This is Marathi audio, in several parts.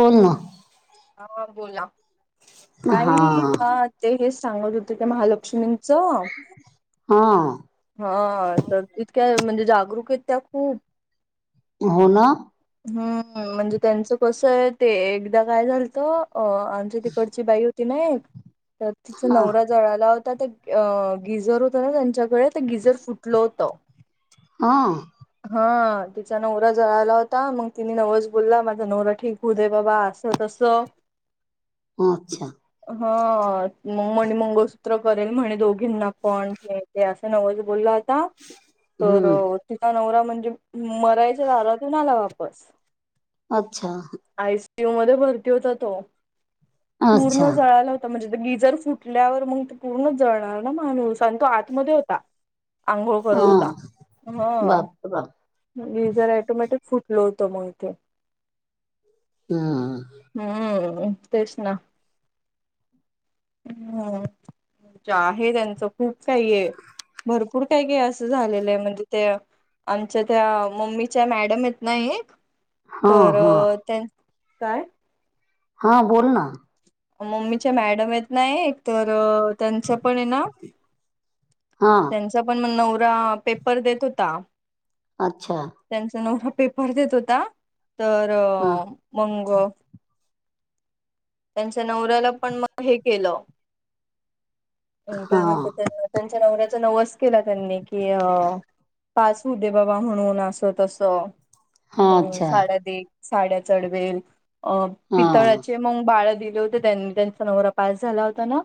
हो. ना. हा हा बोला हा काही [unintelligible] ते. हेच सांगत होते. ते. महालक्ष्मींचं. हा. हा तर इतक्या म्हणजे जागरूक आहेत त्या खूप. हो ना. हम्म. म्हणजे त्यांचं कस ये ते, एकदा काय झालंत. अ आमची तिकडची बाई होती ना एक, तर तिचा हा नवरा जळाला होता ते अ गिझर होत ना त्यांच्याकडे ते गिझर फुटलं होतं. हा. हा तिचा नवरा जळाला ता, मग तिने नवस बोलला माझा नवरा ठीक होऊ दे बाबा असं तसं. अच्छा. हा. मग म्हणे मंगळसूत्र करेल म्हणे दोघींना पण, हे ते असं नवस बोलला [unintelligible] हम्म तर तिचा नवरा म्हणजे मरायच्या दारातून आला वापस. अच्छा. आयसीयूमध्ये भरती होता तो. अच्छा पूर्ण हा जळाला हो तर म्हणजे ते गिझर फुटल्यावर मंग ते पूर्ण जळणार ना माणूस आणि तो आतमध्ये होता. आंघोळ करत होता, हं बाप रे बाप गिझर ऑटोमॅटिक फूट लई होतंय मग ते. हां. हम्म तेच ना. हम्म म्हणजे आहे त्यांचं खूप काही आहे. भरपूर काय काय असं झालेलंय म्हणजे ते, आमच्या त्या, मम्मीच्या मॅडम येत ना एक. हा तर हा त्यां काय? हा बोल ना. मम्मीच्या मॅडम हायेत ना एक, तर त्यांचं पण हे ना हां. त्यांचा पण मग नवरा पेपर देत होता. अच्छा. त्यांचा नवरा पेपर देत होता, तर हा मंग त्यांच्या नवऱ्याला पण मग हे केलं हा का म्हणते त्यां-त्यांच्या नवऱ्याचा नवस केला त्यांनी की अ पास हू दे बाबा म्हणून असं तस, हा, मग अच्छा साड्या देईन. साड्या चढवेल अ हा पितळाचे मग बाळ्या दिन केले होते त्यांनी त्यांचा नवरा पास झाला होता ना,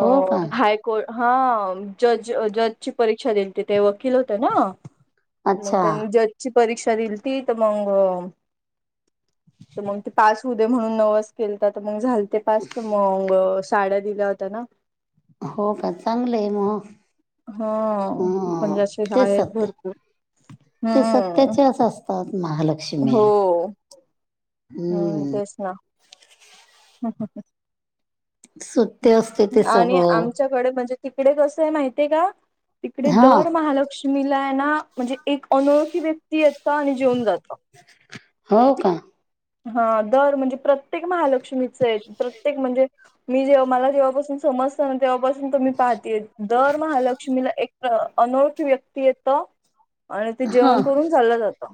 हो का हा हा जज जजची परीक्षा देलती ते वकील होते ना, मग अच्छा त्यांनी जज परीक्षा दिली ती, तर मंग ते पास. होऊ दे म्हणून नवस केलता तर, मंग झालते पास त मंग साड्या दिल्या होत्या ना. हो का, चांगलय मग. हो. हं, पणजशीे ते आहेत सत्य भरपूर. ते हम्म सत्याचेच असतात महालक्षम्या. होय तेच ना. हम हम हम. सुट्टे असते ते आणि सगळं आमच्याकडे म्हणजे, तिकडे कस ये माहितीये का तिकडे हा दर महालक्ष्मी. लक्ष्मीला आहे ना म्हणजे एक अनोळखी व्यक्ती येत आणि जेऊन जातो. हो का? हा दर म्हणजे प्रत्येक महालक्ष्मीच एक प्रत्येक म्हणजे मी जेव्हा मला जेव्हापासून समजत ना तेव्हापास [unintelligible] पाहतेय दर महालक्ष्मीला एक अनोळखी व्यक्ती येतं. आणि ते हा जेवण करून चाललं जातं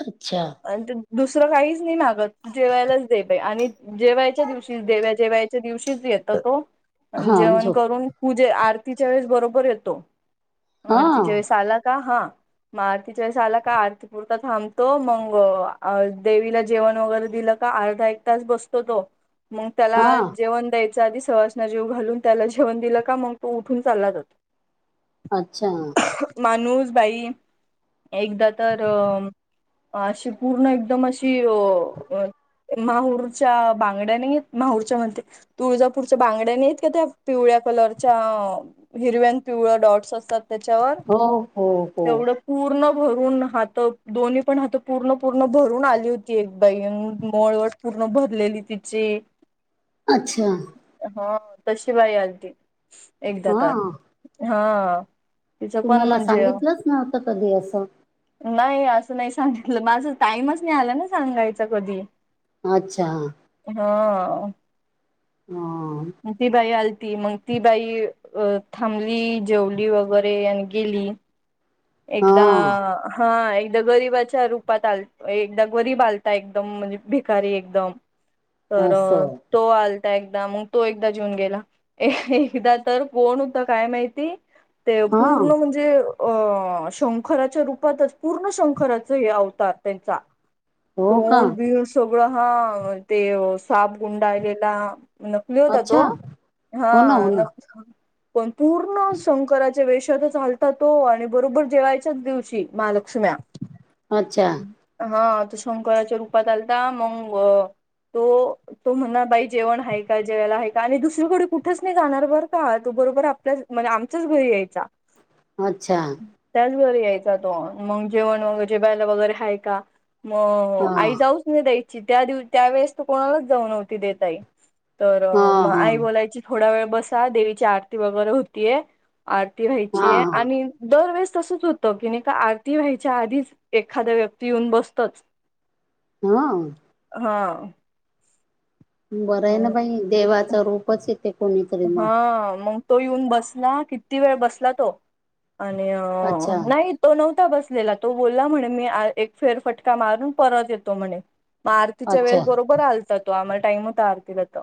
अच्छा आणि ते दुस दुसर काहीच नाही मागत. जेवायलाच दे बाई आणि जेवायच्या दिवशी देव्या जेवायच्या दिवशी येतो तो. हा जेवण झोप करून पूजे आरतीच्या वेळेस बरोबर येतो. हा आरतीच्या वेळेस आला का, हा मग आरतीच्या वेळेस आला का आरतीपुरता थांबतो. मंग अ देवीला जेवण वगैरे दिलं का अर्धा एक तास बसतो तो, मग त्याला हा जेवण द्याय च्या आधी सवासन्या जेऊ घालून, त्याला जेवण दिलं का मग तो उठून चालला बघ. अच्छा. मणूस बाई एकदा तर अ अशी पूर्ण एकदम अशी अ माहूरच्या बांगड्या नाही, माहूरच्या म्हणते. तुळजापूरच्या बांगड्या नाही का, त्या पिवळ्या कलरच्या हिरव्यान, पिवळं डॉट्स असतात त्याच्यावर. हो हो हो तेवढं पूर्ण भरून हातं, दोन्हीपण हातं पूर्ण पूर्ण भरून आली होती. ती एक बाई [unintelligible] मळवट पूर्ण भरलेली तिची. अच्छा. हा तशी बाई आलती, एकदा हा तर हा. तिचं तु पण मला म्हणजे सांगितलंच नव्हतं कधी असं. नाही असं नाही सांगितलं. माझ टाईमच नाही आला ना सांगायच कधी. अच्छा. हा. हं. ती बाई आलती, मग ती बाई थांबली, जेवली वगैरे आणि गेली. एकदा हा हां एक एक गरीबाच्या रूपात आलंते, एकदा गरीब आलता एकदम म्हणजे भिकारी एकदम. तर असं तो आलता एकदा, मग तो एकदा जेऊन गेला. एकदा तर कोण होतं काय माहिती, ते हा पूर्ण म्हणजे अ अ शंखराच्या रूपातच, पूर्ण शंखराचं हे अवतार त्यांचा. हो का तोंड, बिड सगळं हां ते साप गुंडाळलेला. नकली होता तो? अच्छा हा हो ना हो ना नकली. पण पूर्ण शंकराचे च्या वेशातच आलता तो आणि बरोबर जेवायच्याच दिवशी महालक्षीम्या. अच्छा हा तो शंकराच्या रूपात आलता मंग तो तो म्हणणार बाई जेवण आहे का, जेवायला हाय का? आणि दुसरीकडे कुठेच नाही जाणार बर का तो बरोबर आपल्याच म्हणे आमच्याच घरी यायचा. अच्छा. त्याचवेळी यायचा तो, मग जेवण वगैर जेवायला वगैरे हाय का? मग हा आई जाऊच नाही द्यायची, त्या दिव त्यावेेळेस तर कोणालाच जाऊ नव्हती देत आई. तर हा मग हा आई बोलायची थोडा वेळ बसा, देवीची आरती वगैरे होतीये. आरती व्हायची हा आहे आणि दरवेेळेस तसंच होतं, की नाही का आरती व्हायच्या आधीच एखाद व्यक्ती येऊन बसतच. [unintelligible] हो. बरं आहे ना बाई, देवाचं रूपच हे ते. हा मग तो येऊन बसला, किती वेळ बसला तो. आणि अच्छा नाही तो नव्हता बसलेला, तो बोलला म्हणे. मी [unintelligible] एक फेर फटका मारून परत येतो म्हणे. मग आरतीच्या अच्छा वेळेस बरोबर आलता तो, आम्हाला टाईम होता आरतीला तर.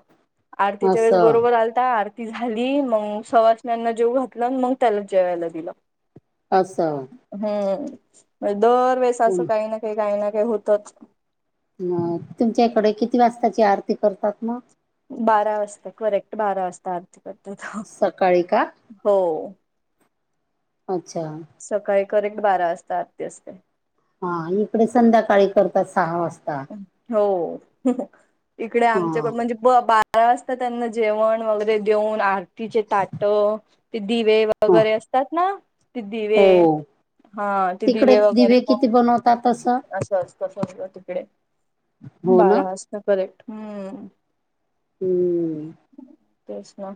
आरतीच्या वेळेस असं बरोबर आल आता आरती झाली. मग सवासण्याना जेऊ घातलं, आन मग त्याला जेवायला दिलं. असं. हम्म, दरवेळेस असं हं. काही ना काही काही ना काही होतच. अ, तुमच्याकडे किती वाजताची आरती करतात मग? बारा वाजता, करेक्ट बारा वाजता आरती करतात, सकाळी का? हो. अच्छा. सकाळी करेक्ट बारा वाजता आरती असते. हा इकडे संध्याकाळी करतात, सहा वाजता. हो, इकडे हा आमच्याकडं म्हणजे ब- बारा वाजता त्यांना जेवण वगैरे देऊन आ आरतीचे ताट, ते दिवे ह वगैरे असतात ना, ते दिवे हो हा ते तिकडे दिवे वगैरे किती पण, बनवतात तसं? असं असतं सगळं तिकडे. हो ना बारा वाजता करेक्ट हम्म. हम्म. तेच ना.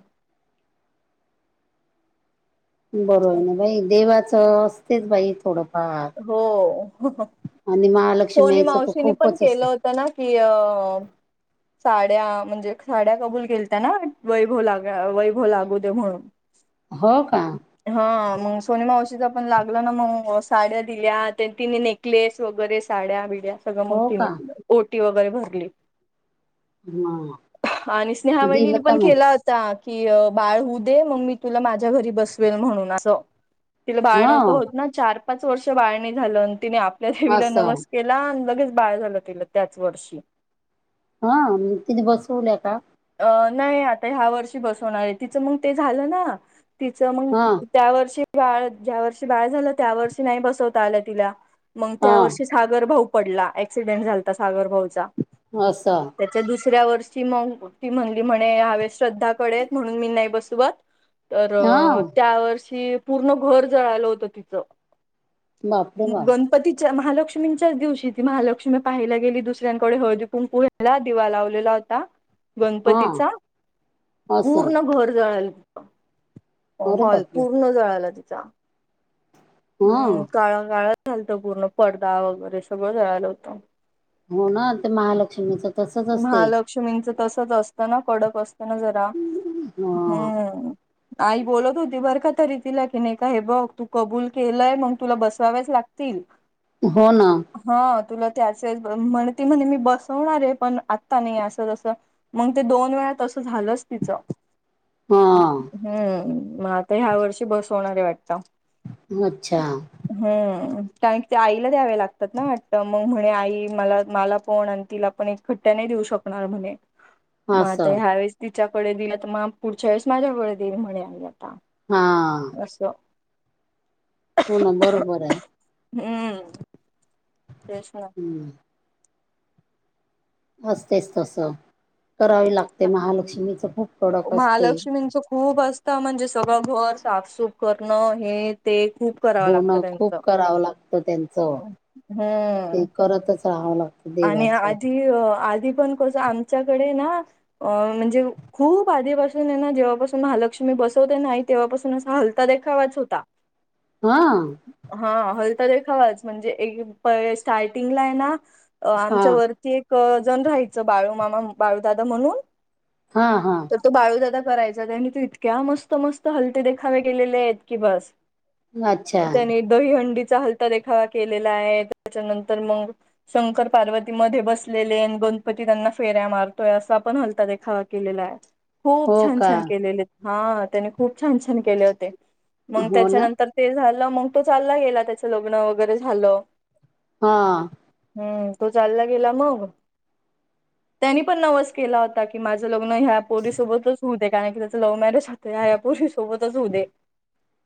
बरं आहे ना बाई, देवाचं असतेच बाई थोडं. हा हो आणि महालक्ष्मी आईचं तर खूपच असते. त्यांना की, अ साड्या, म्हणजे साड्या कबूल केलत्या ना, वैभव लाग, म्हणजे वैभव लागू दे म्हणून. ह का. हा, मग सोनू मावशीचा पण लागलं ना मग नवस साड्या दिल्या, त्यां तिने नेकलेस वगैरे साड्या-बिड्या, सगळं मग हो तिने का? दिलं. ओटी वगैरे भरली. हा आणि स्नेहा दिलं वहिनेने का पण मग? केला हा, की बाळ होऊ दे, मग मी तुला माझ्या घरी बसवेन म्हणून, असं तिला बाळ नव्हतं हा होत ना, चार पाच वर्ष बाळ नाही झालं, तिने आपल्या देवीला असं नवस केला, अन् लगेच बाळ झालं तिला. त्याच वर्षी. हा, मग तिने बसवलं का? अ नाही आता. ह्या वर्षी बसवणार आहे, तिचं मग ते झालं ना, तिचं मग हा त्या वर्षी बाळ, ज्या वर्षी बाळ झालं, त्या वर्षी नाही बसवता आलं तिला, मग त्या हा वर्षी सागर भाऊ पडला, ऍक्सिडेंट झालता सागर भाऊचा. ह का? त्याच्या दुसऱ्या वर्षी मग ती म्हणली म्हणे, ह्या वेळेस श्रध्दाकडे आहेत, म्हणून मी नाही बसवत. तर हा त्या वर्षी पूर्ण घर जळालं होतं तिचं. बापरे मग बाप! दोन पती च्या महालक्ष्मींच्याच दिवशी ती महालक्ष्मी पहायला गेली. दुसऱ्यांकडे, हळदीकुंकू ला दिवा लावलेला होता, हां, गणपतीचा. असं. पूर्ण घर जळालं. हो, अरे हॉल बापरे! पूर्ण जळाला तिचा. हां. हम्म, काळा- काळा झालता. पूर्ण, पडदा वगैरे सगळं जळालं होतं. हो ना, ते महालक्ष्मीच. महालक्ष्मींचं तसच असतं ना, कडक असतं ना जरा, हां. हम्म. आई बोलत होती बर का तरी तिला की, नाही का हे बघ, तू कबूल केलंय, मग तुला बसव्यावाच लागतील. हो ना. हा तुला ते असेल म्हणे, ती म्हणे मी बसवणार आहे. पण आत्ता नाही. असं जसं, मग ते दोन वेळा तसं झालंच तिचं. हा. हम्म, म आता ह्यावर्षी बसवणार आहे वाटतं. मग अच्छा हम्म, कारण ते आईला द्यावे लागतात ना, वाटतं. मग म्हणे, आई, मला, मला कोण तिला पण एक खट्ट्या नाही देऊ शकणार म्हणे, मग आता असं. ह्यावेळेस तिच्याकडे दिल तर, मग पुढच्या वेळेस माझ्याकडे देईल, म्हणे, आम्ही आता. हा. असं. हो ना, बरोबर आहे. हम्म. तेच ना. [unintelligible] असतेच तसं, करावी लागते. महालक्ष्मीच खूप कडक असते. महालक्ष्मींचं खूप असत म्हणजे सगळं घर, साफसूफ करणं हे ते खूप. करावं हो ना लागतं खूप त्यांचं करावं लागत त्यांचं, हम्म ते करतच राहावं लागतं. आणि देवाचं. आधी अ आधी पण कसं आमच्याकडे ना अ म्हणजे खूप आधीपासून आहेना जेव्हापासून महालक्ष्मी बसवते ना, आई तेव्हापासून असा हलता देखावाच होता. हां. हां.. हलता देखावाच म्हणजे, स्टार्टिंगला आहे ना हां. आमच्यावर. ते एक जण राहायचं बाळू मामा, बाळूदादा म्हणून. हां हां. तर तो बाळूदादा करायचा त्यांनी तर, इतक्या मस्त मस्त हलते देखावे केलेले आहेत की बस. अच्छा. त्याने. दहीहंडीचा हलता देखावा केलेला आहे, त्याच्यानंतर मग शंकर. पार्वती मध्ये बसलेली आहे अन गणपती त्यांना फेर्या मारतोय असा पण हलता देखावा केलेला आहे. खूप हो छान का? छान केलेलेत हा त्याने, खूप छान छान केले होते मग हो ना. त्याच्यानंतर. ते झालं मंग तो चालला गेला त्याच लग्न वगैरे झालं. हां. हम्म. तो चालला गेला मग, त्यानी पण नवस. केला होता की माझं लग्न, ह्या पोरीसोबतच होऊ दे कारण की त्याचं लव मॅरेज होतं. ते या या पोरी सोबतच होऊ दे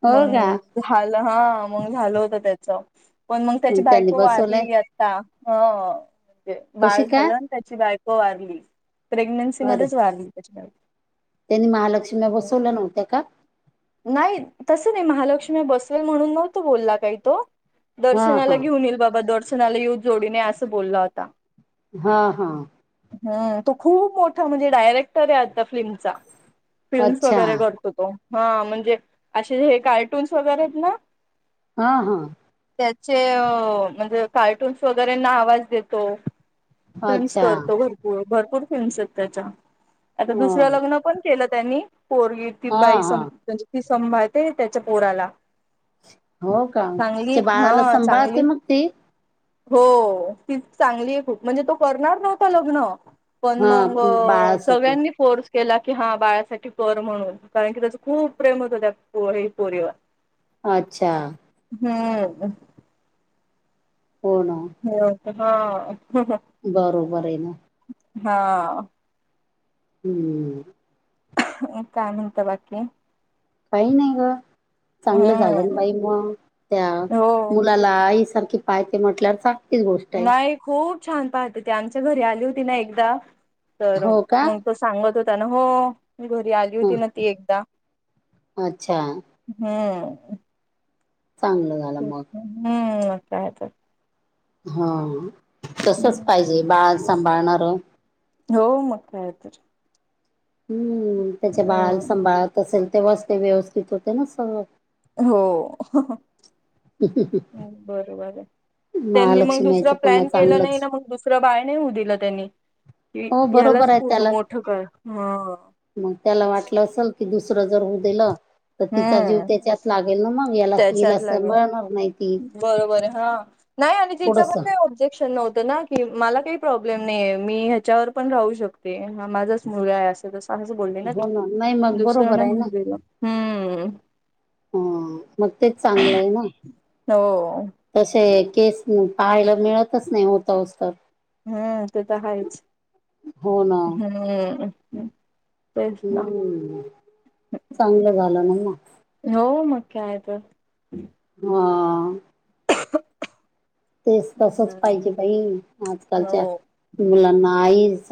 हो का? मंग झालं हा मग झालं होत त्याचं, पण मग त्याची त्यांनी बायको बसवलंय वारली‌ आता. ता हं म्हणजे बाळ कशी काय झालं अनं, त्याची बायको वारली. प्रेग्नेन्सी अरे मध्येच वारली त्याची बायको. त्यांनी महालक्ष्मी ल्या, बसवल्या नव्हत्या का. नाही तसं नाही महालक्ष्मीया बसवेल म्हणून नव्हतं बोलला काही तो. हा दर्शनाला हा घेऊन येईल बाबा दर्शनाला येऊ जोडीने असं बोलला होता. हा हा. हम्म. तो खूप मोठा म्हणजे, डायरेक्टर आहे आता फ्लीमचा. फिल्म्स अच्छा वगैरे करतो तो हा, म्हणजे असे हे कार्टून्स वगैरे आहेत ना. हां हां. त्याचे अं.. म्हणजे कार्टून्स वगैरेना आवाज देतो. फिल्म्स अच्छा करतो, भरपूर भरपूर फिल्म्स आहेत त्याच्या. आता दुसरं ह लग्न पण केलं त्यांनी, पोरगी ती हा बाई हा सम तिची ती संभाळते त्याच्या पोराला. हो का, चांगली त्याच्या हा बाळाला चांगली सांभाळते मग ती. हो तीच चांगली आहे खूप म्हणजे, तो करणार नव्हता लग्नं. पण हा मंग बाळासाठी सगळ्यांनी फोर्स केला की हा, बाळासाठी कर म्हणून कारण की त्याचं. खूप प्रेम होतं, त्या पोरीवर. अच्छा. हम्म. हो ना. हम्म हां.. बरोबर आहे ना. हां. हम्म. मग काय आणि म्हणता बाकी काही नाही ग. चांगलं झालं ना हम्म बाई मग त्या हो मुलाला आईसारखी पाहिती ते म्हटल्या चांग नाही खूप छान पाहिते ती आमच्या घरी आली होती ना एकदा तर हो का मग तस सांगत होता ना हो, घरी आली ह होती ना ती एकदा. अच्छा हम्म. चांगलंय. [unintelligible] हम्म काय तर. हां तसंच हम्म. पाहिजे बाळ सांभाळणारं. हो मग काय तर. हम्म त्याचे बाळ हम्म सांभाळत असेल, तेव्हाच ते व्यवस्थित होते ना सगळं हो. [unintelligible] बरोबर आहे, त्यांनी मग दुसरा महालक्ष्मीचं पुन्हा प्लॅन केला नाही चांगलंच ना मग दुस दुसरं बाळ नाही होऊन दिलं त्यांनी कि हो बरोबर ह्यालाच आहे पूर्ण त्याला मोठं कर, हा. मग त्याला वाटलं असल की दुसरं जर होऊ दिलं, तर तिचा जीव हम्म त्याच्यात लागेल ना मग याला हिला त्याच्यात लागेल सांभाळणार नाही ती बरोबर थोडस जेक्शन नव्हतं ना की मला काही प्रॉब्लेम नाहीेये, मी ह्याच्यावर पण राहू शकते. हा माझाच मुलगा आहे अस असं तसं बोलली ना ती हो नाही मग बरोबर दुसऱ्यांना आहे ना लागलेला हम्म. हम्म मग तेच चांगलं आहे ना हो. तसे केस पाहायला मिळतच नाही, होता होऊसतर. हम्म ते तर हायच, हो ना हम्म. तेच ना हम्म चांगलं झालं ना मग हो मग काय तर. म तेच तसचं हम्म पाहिजे बाई, हो आजकालच्या मुलांना आई सा